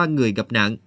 trong ba người gặp nạn